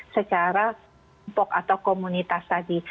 secara kelompok atau komunitas tadi